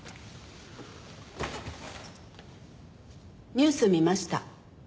ニュース見ました。